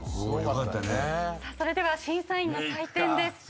さあそれでは審査員の採点です。